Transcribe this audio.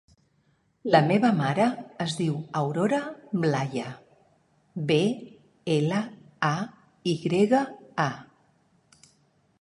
La meva mare es diu Aurora Blaya: be, ela, a, i grega, a.